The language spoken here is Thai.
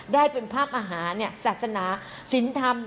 ได้เป็นภาพอาหารศาสนาสินธรรม